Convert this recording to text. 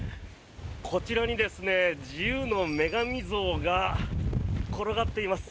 こちらに自由の女神像が転がっています。